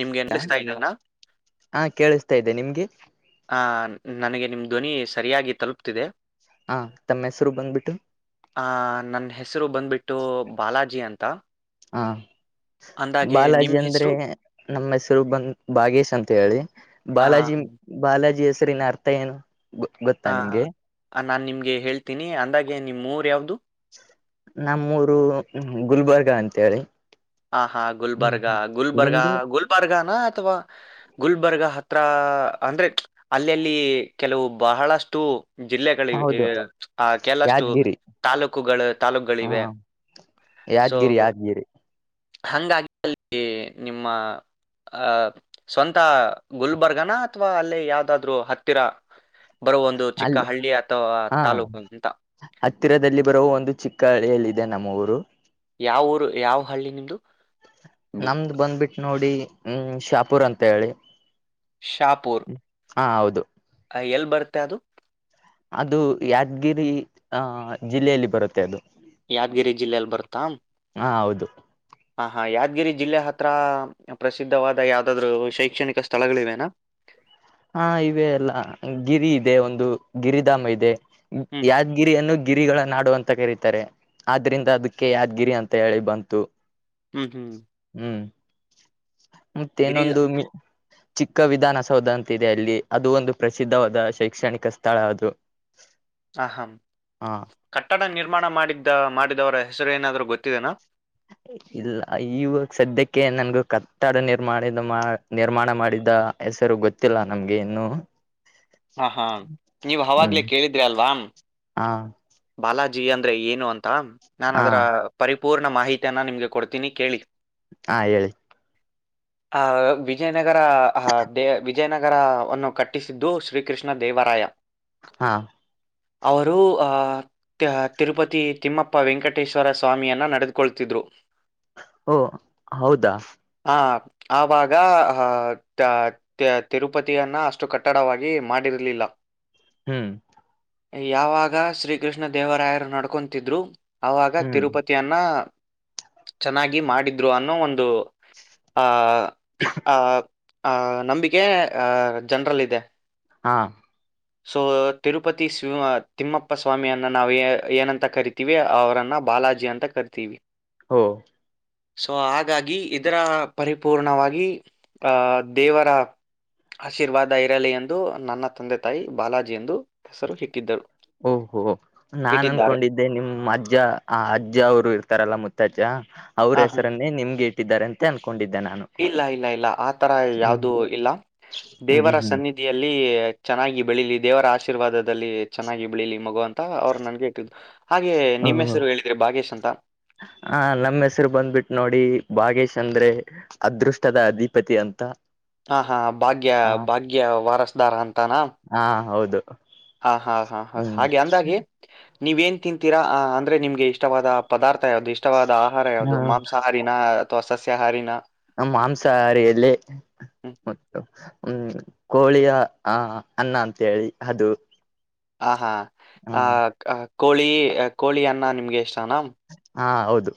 ನಿಮ್ಗೆ ಎನ್ಲಿಸ್ತಾಲ್ಲನಾ ಹಾ ಕೇಳಿಸ್ತಾ ಇದೆ ನಿಮ್ಗೆ ಆ ನನಗೆ ನಿಮ್ದ ಧ್ವನಿ ಸರಿಯಾಗಿ ತಲುಪ್ತಿದೆ ಹ ತಮ್ಮ ಹೆಸರು ಬಂದ್ಬಿಟ್ಟು ಆ ನನ್ನ ಹೆಸರು ಬಂದ್ಬಿಟ್ಟು ಬಾಲಾಜಿ ಅಂತ ಹಾ ಅಂದಾಗೆ ಬಾಲಾಜಿ ನಿಮ್ ಅಂದ್ರೆ ಹೆಸರು ನಮ್ಮ ಹೆಸರು ಬಂದ ಭಾಗೇಶ್ ಅಂತ ಹೇಳಿ ಆ ಬಾಲಾಜಿ ಬಾಲಾಜಿ ಹೆಸ ರಿನ್ನ ಅರ್ಥ ಏನು ಗೊ ಗೊತ್ತಾ ನಿಮ್ಗೆ ನಾನು ನಿಮಗೆ ಹೇಳ್ತೀನಿ ಅಂದಾಗೆ ನಿಮ್ಮ ಮೂರು ಯಾವು್ದದು ನಮ್ಮೂರು ಗುಲ್ಬರ್ಗ್ ಈಗ ಅಂತೇಳಿ ಹಾ ಹಾ ಗುಲ್ಬರ್ಗಾ ಗುಲ್ಬರ್ಗಾ ನಿಮ್ದು ಗುಲ್ಬರ್ಗ ನ ಅಥವಾ ಗುಲ್ಬರ್ಗ ಹತ್ರ ಅಂದ್ರೆ ಅಲ್ಲಲ್ಲಿ ಕೆಲವು ಬಹಳಷ್ಟು ಜಿಲ್ಲೆಗಳಿವೆ ಹೌದು ಆ ಕೆಲಷ್ಟು ಯಾದಗಿರಿ ತಾಲೂಕುಗಳು ಹಾ ತಾಲೂಕುಗಳಿವೆ ಸೊ ಯಾದಗಿರಿ ಯಾದಗಿರಿ ಹಂಗಾಗಿ ಅಲ್ಲಿ ನಿಮ್ಮ ಅಹ್ ಸ್ವಂತ ಗುಲ್ಬರ್ಗನ ಅಥವಾ ಅಲ್ಲೇ ಯಾವ್ದಾದ್ರು ಹತ್ತಿರ ಬರೋ ಒಂದು ಚಿಕ್ಕ ಅಲ್ಲಿ ಹಳ್ಳಿ ಅಥವಾ ಹಾ ತಾಲೂಕು ಅಂತ ಹತ್ತಿರದಲ್ಲಿ ಬರುವ ಒಂದು ಚಿಕ್ಕ ಹಳಿಯಲ್ಲಿದೆ ಇದೆ ನಮ್ಮ ಊರು ಯಾವ ಊರು ಯಾವ ಹಳ್ಳಿ ನಿಮ್ದು ನಮ್ದು ಬಂದ್ಬಿಟ್ಟು ನೋಡಿ ಹ್ಮ್ ಶಾಪುರ್ ಅಂತ ಹೇಳಿ ಶಾಪುರ್ ಹಾ ಹೌದು ಎಲ್ಲಿ ಬರುತ್ತೆ ಅದು ಅದು ಯಾದಗಿರಿ ಅಹ ಜಿಲ್ಲೆಯಲ್ಲಿ ಬರುತ್ತೆ ಅದು ಯಾದಗಿರಿ ಜಿಲ್ಲೆೆಯಲ್ಲಿ ಬರ್ತಂ ಹಾ ಹೌದು ಹ ಹಾ ಯಾದಗಿರಿ ಜಿಲ್ಲೆ ಹತ್ರ ಪ್ರಸಿದ್ಧವಾದ ಯಾವ್ದಾದ್ರು ಶೈಕ್ಷಣಿಕ ಸ್ಥಳಗಳಿವೆನಾ ಹಾ ಇವೆ ಎಲ್ಲ ಗಿರಿ ಇದೆ ಒಂದು ಗಿರಿಧಾಮ ಇದೆ ಹ್ಮ್ ಯಾದ್ಗಿರಿ ಅನ್ನು ಗಿರಿಗಳ ನಾಡು ಅಂತ ಕರತಾರೆ ಆದ್ರಿಂದ ಅದಕ್ಕೆ ಯಾದ್ಗಿರಿ ಅಂತ ಹೇಳಿ ಬಂತು ಹ್ಮ್ ಹ್ಮ್ ಹ್ಮ್ ಗಿರಿ ಮತ್ತೇನೊಂದು ಮ ಚಿಕ್ಕ ವಿಧಾನಸೌಧ ಅಂತ ದೆ ಅಲ್ಲಿ ಅದು ಒಂದು ಪ್ರಸಿದ್ಧವಾದ ಶೈಕ್ಷಣಿಕ ಸ್ಥಳ ಅದು ಆ ಹ ಹಾ ಕಟ್ಟಡ ನಿರ್ಮಾಣ ಮಾಡಿದ್ದ ಮಾಡಿದವ್ರೆ ಹೆಸರು ಏನಾದ್ರು ಗೊತ್ತಿದೆನಾ ಇಲ್ಲ ಇವಾಗ ಸದ್ಯಕ್ಕೆ ನಂಗೂ ಕಟ್ಟಡ ನಿರ್ಮಾಣಿದ ಮಾ ನಿರ್ಮಾಣ ಮಾಡಿದ ಹೆಸರು ಗೊತ್ತಿಲ್ಲ ನಮ್ಗೆ ಇನ್ನು ಹಾ ಹಾ ನೀವ್ ಹ್ಮ್ ಹಾವಾಗ್ಲೆೇ ಕೇಳಿದ್ರಿ ಅಲ್ವಾ ಹಾ ಬಾಲಾಜಿ ಅಂದ್ರೆ ಏನು ಅಂತ ತ ನನ್ ಹಾ ಅದರ ಪರಿ ಪೂರ್ಣ ಮಾಹಿತಿಯನ್ನ ನಿಮಗೆ ಕೊಡ್ತೀನಿ ಕೇಳಿ ಹಾ ಹೇಳಿ ಆ ವಿಜಯನಗರ ಅ ಡೇ ವಿಜಯನಗರವನ್ನು ಕಟ್ಟಿಸಿದ್ದು ಶ್ರೀ ಕೃಷ್ಣ ದೇವರಾಯ ಹಾ ಅವರು ಅ ತಿರುಪತಿ ತಿಮ್ಮಪ್ಪ ವೆಂಕಟೇಶ್ವರ ಸ್ವಾಮಿಯನ್ನ ನಡೆದುಕೊಳ್ತಿದ್ರು ಓ ಹೌದಾ ಅವಾಗ ಹಾ ಟ ತ್ಯಾ ತಿರುಪತಿಯನ್ನ ಅಷ್ಟು ಕಟ್ಟಡವಾಗಿ ಮಾಡಿ ಡಿರಲಿಲ್ಲ ಹ್ಮ್ಮ್ ಯಾವಾಗ ಶ್ರೀ ಕೃಷ್ಣ ದೇವರಾಯರು ನಡ್ಕೊಂತಿದ್ರು ಅವಾಗ ಹ್ಮ್ ತಿರುಪತಿಯನ್ನ ಚೆನ್ನಾಗಿ ಮಾಡಿದ್ರು ಅನ್ನೋ ಒಂದು ಆ ಆ ಆ ನಂಬಿಕೆ ಆ ಜನರಲ್ ಇದೆ ಹಾ ಸೊ ತಿರುಪತಿ ಸ್ ತಿಮ್ಮಪ್ಪ ಸ್ವಾಮಿಯನ್ನ ನಾವು ಏ ಏನಂತ ಕರಿತೀವಿ ಅವರನ್ನ ಬಾಲಾಜಿ ಅಂತ ಕರಿತೀವಿ ಹೋ ಸೊ ಹಾಗಾಗಿ ಇದರ ಪರಿಪೂರ್ಣವಾಗಿ ಆ ದೇವರ ಆಶೀರ್ವಾದ ಇರಲಿ ಅಂತ ಎಂದು ನನ್ನ ತಂದೆ ತಾಯಿ ಬಾಲಾಜಿ ಎಂದು ಹೆಸರು ಇಟ್ಟಿದ್ದರು ಓಹೋ ನಾನ್ ಇಟ್ಟಿದ್ದಾರೆ ಅನ್ಕೊಂಡಿದ್ದೆ ನಿಮ್ ಅಜ್ಜ ಆ ಅಜ್ಜ ಅವರು ಇರ್ತಾರಲ್ಲ ಮುತ್ತಜ್ಜ ಅವ್ರ ಹ ಹ ಹೆಸರನ್ನೇ ನಿಮ್ಗೆ ಇ ಟ್ಟಿದಾರೆ ಅಂತ ಅಂದ್ಕೊ ಇಲ್ಲ ಇಲ್ಲ ಇಲ್ಲ ಆತರ ಹ್ಮ್ ಯಾವುದು ಇಲ್ಲ ಹ್ಮ್ ದೇವರ ಹ್ಮ್ ಸನ್ನಿಧಿಯಲ್ಲಿ ಚೆನ್ನಾಗಿ ಬೆಳೀಲಿ ದೇವರ ಆಶೀರ್ವಾದದಲ್ಲಿ ಚೆನ್ನಾಗಿ ಬೆಳೀಲಿ ಮಗುವ ತ ಅವ್ರು ನನ್ಗೆ ಇಟ್ಟಿದ್ರೂ ಹಾಗೆ ಓ ನಿಮ್ಮ ಹೆಸರು ಹೇಳ್ರಿ ಭಾಗೇಶ್ ಅಂತ ಆ ನಮ್ಮ ಹೆಸರು ಬಂದ್ಬಿಟ್ಟು ನೋಡಿ ಭಾಗೇಶ್ ಅಂದ್ರೆ ಅದೃಷ್ಟದ ಅಧಿಪತಿ ಅಂತ ಆ ಹಾ ಭಾಗ್ಯ ಹ ಭಾಗ್ಯ ವಾರಸ್ ಧಾರ ಅಂತ್ ತಾನ ಹಾ ಹೌದು ಹ ಹಾ ಹಾ ಹ ಹ್ಮ್ ಹಾಗೆ ಅಂದಾಗೆ ನೀವ ಏನ್ ತಿಂತೀರಾ ಅಂದ್ರೆ ನಿಮ್ಗೆ ಇಷ್ಟವಾದ ಪದಾರ್ಥ ಯ್ದದು ಇಷ್ಟವಾದ ಆಹಾರ ಯಾವುದು ಮಾಂಸಾಹಾರಿನ ತವಾ ಸಸ್ಯಹಾರಿನ ನಮ್ಮ ಮಾಂಸಾಹಾರಿಯಲ್ಲಿ ಹ್ಮ್. ಮತ್ತು ಹ್ಮ್ ಕೋಳಿಯ ಆ ಅನ್ನ ಅಂತೇಳಿ ಅದು ಹ ಹಾ ಹ ಆ ಕೋಳಿ ಕೋಳಿ ಅನ್ನ ನಿಮ್ಗೆ ಇಷ್ಟನಾ ಹಾ ಹೌದು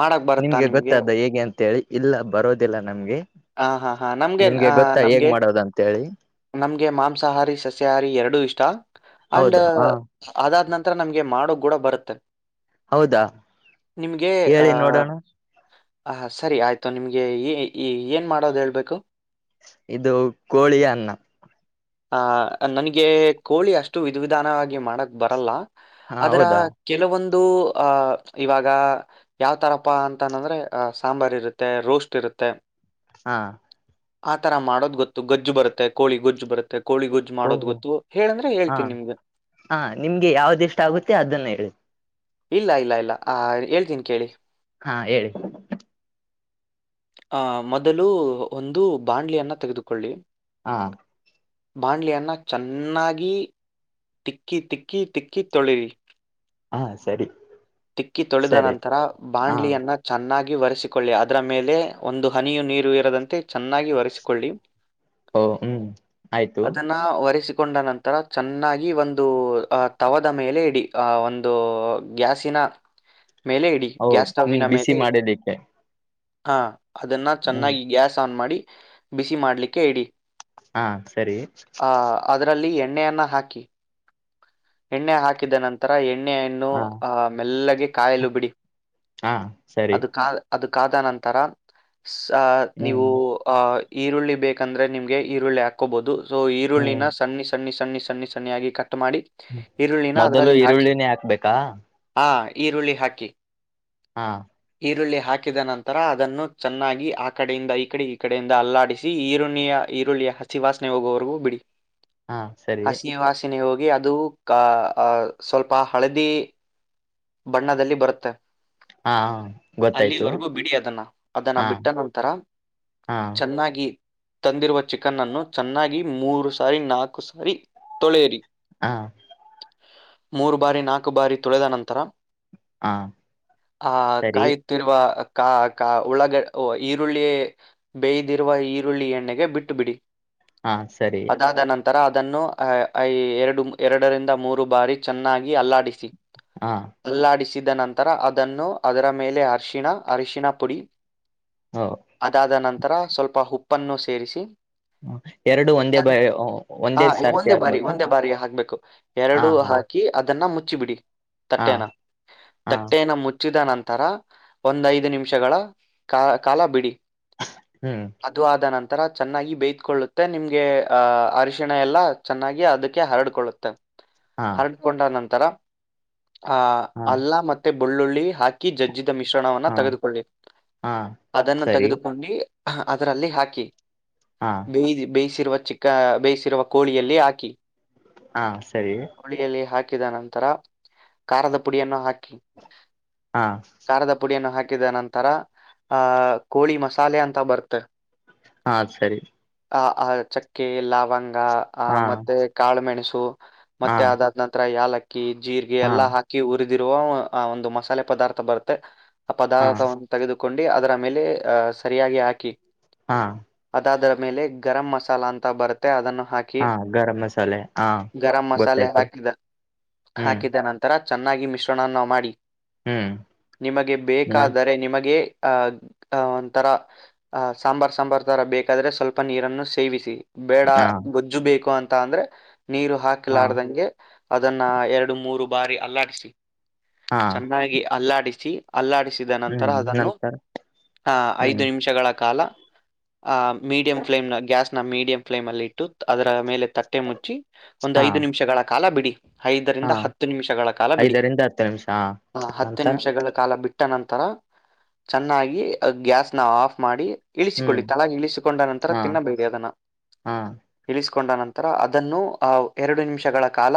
ಮಾಡಕ್ ಬರುತ್ತಾ ನಿಮ್ಗೆ ಗೊತ್ತಾದ ಹೇಗೆ ಅಂತೇಳಿ ಇಲ್ಲ ಬರೋದಿಲ್ಲ ನಮ್ಗೆ ಹ ಹಾ ಹಾ ನಮ್ಗೆ ನಿಮ್ಗೆ ಅ ಗೊತ್ತಾ ಹೇಗ್ ನಮ್ಗೆ ಮಾಡೋದು ಅಂತೇಳಿ ನಮ್ಗೆ ಮಾಂಸಾಹಾರಿ ಸಸ್ಯಾಹಾರಿ ಎರಡೂ ಇಷ್ಟ ಅಂಡ್ ಹೌದಾ ಹ ಅದಾದ್ ನಂತರ ನಮ್ಗೆ ಮಾಡ ಕೂಡ ಬರುತ್ತೆ ಹೌದಾ ಹೇಳಿ ನೋಡೋಣ ಹ ಸರಿ ಆಯ್ತು ನಿಮ್ಗೆ ಈ ಈ ಏನ್ ಮಾಡೋದು ಹೇಳ್ಬೇಕು ಇದು ಕೋಳಿ ಅನ್ನ ಆ ನನಗೆ ಕೋಳಿ ಅಷ್ಟು ವಿಧ ವಿಧಾನವಾಗಿ ಮಾಡಕ್ ಬರಲ್ಲ ಹಾ ಅದರ ಹೌದಾ ಕೆಲವೊಂದು ಇದು ಅಹ ಇವಾಗ ಯಾವ್ತರಪ್ಪ ಅಂತಂದ್ರೆ ಸಾಂಬಾರ್ ಇರುತ್ತೆ ರೋಸ್ಟ್ ಇರುತ್ತೆ ಹಾ ಆ ತರ ಮಾಡೋದ್ ಗೊತ್ತು ಗಜ್ಜು ಬರುತ್ತೆ ಕೋಳಿ ಗೊಜ್ಜು ಬರುತ್ತೆ ಕೋಳಿ ಗೊಜ್ಜು ಮಾಡೋದ್ ಓಹೋ ಗೊತ್ತು ಹೇಳಂದ್ರೆ ಹಾ ಹೇಳ್ತೀನಿ ನಿಮ್ಗೆ ಹಾ ನಿಮ್ಗೆ ಯಾವ್ದಿಷ್ಟ ಆಗುತ್ತೆ ಅದನ್ನ ಹೇಳಿ ಇಲ್ಲ ಇಲ್ಲ ಇಲ್ಲ ಆ ಹೇಳ್ತೀನಿ ಕೇಳಿ ಹಾ ಹೇಳಿ ಆಹ ಮೊದಲು ಒಂದು ಬಾಂಡ್ಲಿಯನ್ನ ತೆಗೆದುಕೊಳ್ಳಿ ಹಾ ಬಾಂಡ್ಲಿಯನ್ನ ಚೆನ್ನಾಗಿ ಟಿಕ್ಕಿ ತಿಕ್ಕಿ ತಿಕ್ಕಿ ತೊಳಿರಿ ಹಾ ಸರಿ ತಿಕ್ಕಿ ತೊಳೆದ ಸರಿ ನಂತರ ಹಾ ಬಾಂಡ್ಲಿಯನ್ನ ಚೆನ್ನಾಗಿ ಒರೆಸಿಕೊಳ್ಳಿ ಅದರ ಮೇಲೆ ಒಂದು ಹನಿಯು ನೀರು ಇರದಂತೆ ಚೆನ್ನಾಗಿ ಒರೆಸಿಕೊಳ್ಳಿ ಓ ಹ್ಮ್ ಆಯ್ತು ಅದನ್ನ ಒರೆಸ ಕೊಂಡ ನಂತರ ಚೆನ್ನಾಗಿ ಒಂದು ತವದ ಮೇಲೆ ಇಡಿ ಆ ಒಂದು ಗ್ಯಾಸಿನ ಮೇಲೆ ಇಡಿ ಹೋ ಗ್ಯಾಸ್ ಹ್ಮ್ ಸ್ಟವ್ವಿನ ಬಿಸಿ ಮೇಲೆ ಇಡಿ ಮಾಡಲಿಕ್ಕೆ ಹಾ ಅದನ್ನು ಹ್ಮ್ ಚೆನ್ನಾಗಿ ಗ್ಯಾಸ್ ಆನ್ ಮಾಡಿ ಬಿಸಿ ಮಾಡ್ಲಿಕ್ಕೆ ಇಡಿ ಹಾ ಸರಿ ಹ ಅದ್ರಲ್ಲಿ ಎ ಎಣ್ಣೆಯನ್ನ ಹಾಕಿ ಎಣ್ಣೆ ಹಾಕಿದ ನಂತರ ಎ ಎಣ್ಣಣನ್ನು ಹಾ ಆ್ ಮೆಲ್ಲಗೆ ಕಾಯಲು ಬಿಡಿ ಹಾ ಸರಿ ಅದು ಕಾ ಅದು ಕಾದ ನಂತರ ನೀವು ಹ್ಮ್ ಆ ಈರುಳ್ಳಿ ಬೇಕಂದ್ರೆ ನಿಮ್ಗೆ ಈರುಳ್ಳಿ ಹಾಕೋಬಹುದು ಸ ಈರುಳ್ಳಿನ ಹ್ಮ್ ಸನ್ನ್ಣಿ ಸನ್ನಿ ಸನ್ನಿಸ ಸನ್ನ ಾಗಿ ಕ ಮೊದಲು ಈರುಳ್ಳಿನೇ ಹಾಕ್ಬೇಕಾ ಹಾ ಈರುಳ್ಳಿ ಹಾಕಿ ಹಾ ಈರುಳ್ಳಿ ಹಾಕಿದ ನಂತರ ಅದನ್ನು ಚೆನ್ನಾಗಿ ಆ ಕಡೆಯಿಂದ ಈ ಕಡೆ ಈ ಕಡೆಯಿಂದ ಅಲ್ಲಾಡಿಸಿ ಈರುಳ್ಳಿಯ ಈರುಳ್ಳಿಯ ಹಸಿವಾಸನೆ ಹೋಗುವವರೆಗೂ ಬಿಡಿ ಹಾ ಸರಿ ಾಸಿನಿಗೆ ಹೋಗಿ ಅದು ಸ್ವಲ್ಪ ಹಳದಿ ಬಣ್ಣದಲ್ಲಿ ಬರುತ್ತೆ ಹಾ ಗೊತ್ತಾಯ್ತು ಅಲ್ಲಿವರೆಗೂ ಬಿಡಿ ಅದನ್ನ ಅದನ್ನ ಹಾ ಬಿಟ್ಟ ನಂತರ ಹಾ ಚೆನ್ನಾಗಿ ತಂದಿರುವ ಚಿಕನ್ ಅನ್ನು ಚೆನ್ನಾಗಿ ಮೂರು ಸಾರಿ ನಾಲ್ಕು ಸಾರಿ ತೊಳೆಯರಿ ಹಾ ಮೂರು ಬಾರಿ ನಾಲ್ಕು ಬಾರಿ ತುಳೆದ ನಂತರ ಹಾ ಆ ಸರಿ ಕಾಯುತ್ತಿರುವ ಕಾ ಕ ಒಳಗ ಈರುಳ್ಳಿ ಬೇಯ್ದಿರುವ ಈರುಳ್ಳಿ ಎಣ್ಣೆಗೆ ಬಿಟ್ಟು ಬಿಡಿ ಹಾ ಸರಿ ಅದಾದ ನಂತರ ಅದನ್ನು ಎರಡು ಎರಡರಿಂದ ಮೂರು ಬಾರಿ ಚೆನ್ನಾಗಿ ಅಲ್ಲಾಡಿಸಿ ಹಾ ಅಲ್ಲಾಡಿಸಿದ ನಂತರ ಅದನ್ನು ಅದರ ಮೇಲೆ ಅರಿಶಣ ಅರಿಶಣ ಪುಡಿ ಹ ಅದದ ನಂತರ ತರ ಸ್ವಲ್ಪ ಉುಪ್ಪನ್ನು ಸೇರಿಸಿ ಎರಡು ಒಂದೇ ಬ ಹ ಸಾರ್ತಿ ಒಂದೇ ಬಾರಿ ಆಗ್ಬೇಕಾ ಒಂದೇ ಬಾರಿ ಹಾಕ್ಬೇಕು ಹಾ ಎರಡು ಹಾ ಹಾಕಿ ಅದನ್ನ ಮುಚ್ಚ ಹಚ್ಚು ಬಿಿಡಿ ಹಾ ಕಟ್ಟೆನಾ ಹಾ ತಟ್ಟೇನ ಮುಚ್ಚಿದ ನಂತ ನಂತರ ಒಂದ್ ಐದು ನಿಮಿಷಗಳ ಕ ಕಾಲ ಬಿಡಿ ಹ್ಮ್ ಅದು ಆದ ನಂತ ಆಥರ ಚೆನ್ನಾಗಿ ಬೇಯ್ದಕೊಳ್ಳುತ್ತೆ ನಿಮಗೆ ಅರಿಶಿಣ ಎಲ್ಲ ಚೆನ್ನಾಗಿ ಅದಕ್ಕೆ ಹರಡ್ಕೊಳ್ಳುತ್ತೆ ಹಾ ಹರಡ್ಕೊಂಡ ನಂತ ತರ ಆ ಹಾ ಅಲ್ಲ ಮತ್ತೆ ಬೆುಳ್ಳುಳ್ಳಿ ಹಾಕಿ ಹಾಕಿ ಜಜ್ಜಿದ ಮಿಶ್ರಣವನ್ನ ಹಾ ತೆಗೆದುಕೊಳ್ಳಿ ಹಾ ಅದನ್ನು ಸರಿ ತೆಗೆದುಕೊಂಡು ಹ ಅದರಲ್ಲಿ ಹಾಕಿ ಹಾ ಬೇ ಬೇ ರುವ ಚಿಕ್ಕ ಬೇಯಿಸಿಿರುವ ಕೋಳಿಯಲ್ಲಿ ಹಾಕಿ ಹಾ ಸರಿ ಿದ ನಂತರ ಕಾರದ ಪುಡಿಯನ್ನು ಹಾಕಿ ಹಾ ಖಾರದ ಪುಡಿಯನ್ನು ಹಾಕಿ ಹ ನಂತರ ಅಹ ಕೋಳಿ ಮಸಾಲೆ ಅಂತ ಬರ್ತ ಹಾ ಸರಿ ಚಕ್ಕೆ ಲಾವಂಗ್ ಹಾ ಮತ್ತೆ ಕಾಳು ಮೆಣಸು ಸ ಹಾ ಮತ್ತೆ ಅದಾದ್ ನಂತರ ಯಾಲ ಜೀರಿಗೆ ಹಾ ಎಲ್ಲ ಹಾಕಿ ಉರಿದಿರುವ ಆ ಒಂದು ಮಸಾಲೆ ಪದಾರ್ಥ ಬರುತ್ತೆ ಆ ಹಾ ಪದಾರ್ಥವನ್ನು ತೆಗೆದುಕೊಂಡು ಅದರ ಆಮೇಲೆ ಅ ಸರಿಯಾಗಿ ಹಾಕಿ ಹಾ ಅದದರ ಮೇಲೆ ಗರಂ್ ಮಸಾಲಾ ಅಂತ ಬರುತ್ತೆ ಅದನ್ನು ಹಾಕಿ ಹಾ ಗರಂ ಮಸಾಲೆ ಹಾ ಗರಂ ಮಸಾಲೆ ಗೊತ್ತಾಯ್ತು ಹಾಕಿದ ಹ್ಮ್ ಹಾಕಿದ ನಂತರ ಚೆನ್ನಾಗಿ ಮಿಶ್ರಣವನ್ನು ಮಾಡಿ ಹ್ಮ್ ನಿಮಗೆ ಬೇಕಾದರೆ ನಿಮಗೆ ಅಹ ಒಂಥರ ಸಾಂಬಾರ್ ಸಾಂಬಾರ್ ತರ ಬೇಕಾದ್ರೆ ಸ್ವಲ್ಪ ನೀರನ್ನು ಸೇವಿಸಿ ಬೇಡ ಹಾ ಗೊಜ್ಜು ಬೇಕು ಅಂತ ಅಂತ ಅಂದ್ರೆ ನೀರು ಹಾ ಹಾಕಲಾರ್ದಂಗೆ ಅದನ್ನ ಎರಡು ಮೂರು ಬಾರೆ ಅಲರ್ಿಸಿಿ ಹಾ ಚೆನ್ನಾಗಿ ಅಲ್ಲಾಡಿಸಿ ಅಲ್ಲ ಅ ನಂತರ ಹ್ಮ್ ಅದನ್ನು ನಂತರ ಹ ಐದು ಹ್ಮ್ ನಿಮಿಷಗಳ ಕಾಲ ಮೀಡಿಯಂ ಫ್ಲೇಮ್ನ ಗ್ಯಾಸ್ ಮೀಡಿಯಂ ಫ್ಲೇಮ್ಲ್ಲಿ ಇಟ್ಟು ಅದ ಮೇಲೆ ತಟ್ಟೆ ಮುಚ್ಚಿ ಒಂದ್ ಹಾ ಐದು ನಿಮಿಷಗಳ ಕಾಲ ಬಿಡಿ ಐದರಿಂದ ಹಾ ಹತ್ತು ನಿಮಿಷಗಳ ಕಾಲ ಬಿಡಿ ಐದರಿಂದ ಹತ್ತು ನಿಮಿಷ ನಂತರ ಅಲ್ಲ ಬಿಟ್ಟ ನಂತರ ಚೆನ್ನಾಗಿ ಗ್ಯಾಸ್ ನ ಆಫ್ ಮಾಡಿ ಹ್ಮ್ ಇಳಿಸಿಕೊಳ್ಳಿ ತಲಾಗಿ ಇಳಿಸಿಕೊಂಡ ನಂತರ ಹಾ ತಿನ್ನಬೇಡಿ ಅದನ್ನ ಹಾ ಇ ನಂತರ ಅದನ್ನು ಎರಡು ನಿಮಿಷಗಳ ಕಾಲ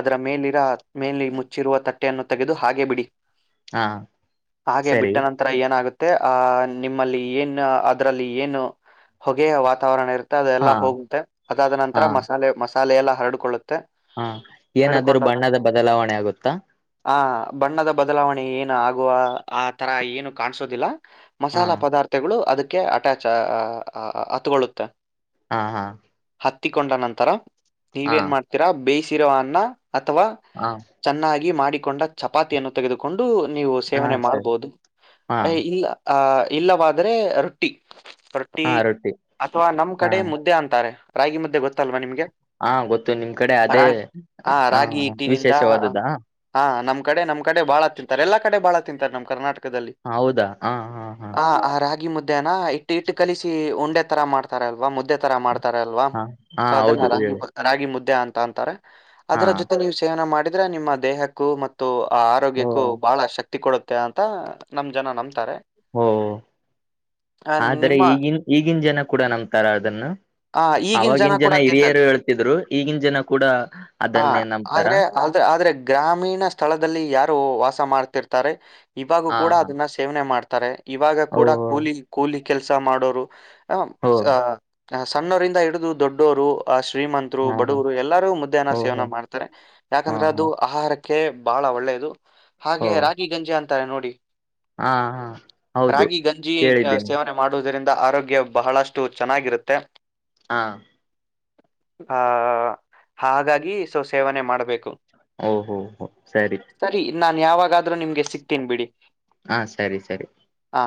ಅದರ ಮೇಲಿರ ಮೇನ್ಲಿ ಮುಚ್ಚಿರುವ ತಕ್ಕ ನ್ನು ತೆಗೆದು ಹಾಗೆ ಬಿಡಿ ಹಾ ಹಾಗೆ ಸರಿ ಬಿಟ್ಟ ನಂತರ ಏನಾಗುತ್ತೆ ಮತ್ತೆ ಆಹ ನಿಮ್ಮಲ್ಲಿ ಏನ್ ಅದರಲ್ಲಿ ಏನು ಹೊಗೆಯ ವಾತಾವರಣ ಇರುತ್ತೆ ಅದೆ ಹಾ ಎಲ್ಲಾ ಹೋಗುತ್ತೆ ಅದಾದ ನಂತರ ಮಸಾಲೆ ಮ ತಾಲೆ ಎಲ್ಲ ಹರಡಕೊಳ್ಳುತ್ತೆ ಹ ಏನಾದ್ರೂ ಬಣ್ಣದ ಬದಲಾವಣೆ ಆಗುತ್ತಾ ಆ ಬಣ್ಣದ ಬದಲಾವಣೆ ಏನು ಆಗುವ ಆ ತರ ಏನು ಕಾಣಸೋದಿಲ್ಲ ಹಾ ಮಸಾಲ ಪದಾರ್ಥಗಳು ಅದಕ್ಕೆ ಅಟ್ಯಾ ಹತ್ಕೊಳ್ಳುತ್ತೆ ಹಾ ಹಾ ಹತ್ತಿಕೊಂಡ ನಂತರ ನೀವ ಹಾ ಏನ್ ಮಾಡ್ತೀರಾ ಬೇಯಸ ಚರನ್ನ ಅಥವಾ ಹಾ ಚೆನ್ನಾಗಿ ಮಾಡಿ ಕೊಂಡ ಚಪಾತಿಯನ್ನು ತೆಗೆದುಕೊಂಡು ನೀವು ಹಾ ಸೇವನೆ ಸರಿ ಮಾಡ್ಬಹದು ಹಾ ಅ ಇಲ್ಲ ಆ ಇಲ್ಲವಾದರೆೆ ರೊಟ್ಟಿ ರೊಟ್ಟಿ ಅಥವಾ ನಮ್ ಹಾ ಕಡೆ ಮುದ್ದೆ ಅಂತಾರೆ ರಾಗಿ ಮ್ದೆ ಗೊತ್ತಲ್ವಾ ನಿಮ್ಗೆ ಹಾ ಗೊತ್ತು ನಿಮ್ ಕಡೆ ಅದೇ ಹ ವಿಶೇಷವಾದದಾ ಹ ನಮ್ಮ ಕಡೆ ನಮ್ ಕಡೆ ಬಾಳ ತಿಂತಾರೆ ಎಲ್ಲಾ ಕಡೆ ಬಾಳ ತಿಂತಾರೆ ನಮ್ಮ ಕರ್ನಾಟಕ ಹೌದಾ ಹಾ ಹಾ ಹಾ ಆ ಆ ರಾಗಿ ಮುದ್ದೆ ಇಟ್ಟು ಇಟ್ಟು ಕಲಿಸಿ ಉಂಡೆ ತರ ಮಾಡ್ತಾರಲ್ವಾ ಮುದ್ದೆ ತರ ಮಾಡ್ತಾರೆ ತರಲ್ವ ಹಾ ಹಾ ಸೊ ಅದನ್ನ ಹೌದು ರಾಗಿ ಹೇಳಿ ರಾಗಿ ಮುದ್ದೆ ದ ಅಂತ ಅಂತಾರೆ ಹಾ ಅದರ ಜೊತೆ ನೀವು ಮಾಡಿದ್ರೆ ನಿಮ್ಮ ದೇಹಕ್ಕೂ ಮತ್ತು ಆ ಓ ಆರೋಗ್ಯಕ್ಕೂ ಬಹಳ ಶಕ್ತಿ ಕೊಡುತ್ತೆ ಅಂತ ನಮ್ ಜನ ನಂಬ್ತಾರೆ ಓ ಆ ಆದ್ರೆ ನಿಮ್ಮ ಈಗಿನ್ ಈಗಿನ್ ಜನ ಕೂಡ ನಂಬುತಾರ ಅದನ್ನು ಆ ಈಗಿನ ಅವವಾಗಿನ್ ಕೂಡ ಜನ ತಿಂತಾರೆ ಹಿರಿಯರು ಹೇಳ್ತಿದ್ರು ಈಗಿನ್ ಜನ ಕೂಡ ಹ ಅದನ್ನೇ ನಂಬ್ತಾರ ಆದ್ರೆ ಆದ್ರ ಆದ್ರೆ ಗ್ರಾಮೀಣ ಸ್ಥಳದಲ್ಲಿ ಯಾರು ವಾ ಸ ಮಾಡ್ತಿರ್ತಾರೆ ಇವಾಗೂ ಹಾ ಕೂಡ ಅದನ್ನ ಸೇವನೆ ಮಾಡ್ತಾರೆ ತರೆ ಇವಾಗ ಕೂಡ ಓಹೋ ಕೂಲಿ ಕೂಲಿ ಕೆಲ್ಸ ಮಾಡೋರು ಹಂ ಹೋ ಸ ಸಣ್ಣವರಿಂದ ಹಿಡಿದು ದೊಡ್ಡವರು ಅಷ್ಟು ಶ್ರೀಮಂತರೂ ಹಾ ಹಾ ಬಡವರು ಎಲ್ಲರಿಗೂ ಮಧ್ಯಾಹ್ನ ಸಿ ಓಹೋ ಸೇವನೆ ಮಾಡ್ತಿರಾ ಹಾ ಯಾಕಂದ್ರೆ ಹಾ ಅದು ಆಹಾರಕ್ಕೆ ಕೆ ಬಹಳ ಒಳ್ಳೆಯದು ಹೋ ಹಾಗೆ ರಾಗಿ ಗಂಜಿ ಅಂತ ತಾ ನೋಡಿ ಹಾ ಹಾ ಹೌದು ರಾಗಿ ಗಂಜಿ ಆ, ಕೇಳಿದ್ದೀನಿ ಸೇವನೆ ಮಾಡುವುದರಿಂದ ಆರೋಗ್ಯ ಬಹಳಷ್ಟು ಚೆನ್ನಾಗಿರುತ್ತೆ ಹಾ ಹ ಹಾಗಾಗಿ ಸ ಸೇವನೆ ಮಾಡ್ಬೇಕು ಓಹೋ ಹೋ ಸರಿ ನಾನ್ ಯಾವಾಗಾದ್ರೂ ನಿಮ್ಗೆ ಸಿಗ್ತೀನಿ ಬಿಡಿ ಹಾ ಸರಿ ಸರಿ ಹಾ